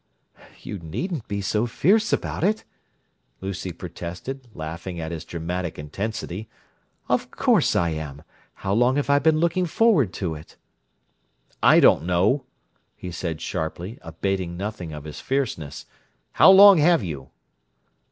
"You needn't be so fierce about it!" Lucy protested, laughing at his dramatic intensity. "Of course I am! How long have I been looking forward to it?" "I don't know," he said sharply, abating nothing of his fierceness. "How long have you?"